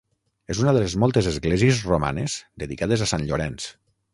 És una de les moltes esglésies romanes dedicades a Sant Llorenç.